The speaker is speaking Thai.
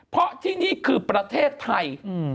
เพราะที่นี่คือประเทศไทย